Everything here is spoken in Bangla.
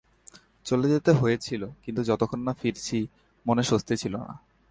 চলে যেতে হয়েছিল কিন্তু যতক্ষণ না ফিরেছি মনে স্বস্তি ছিল না।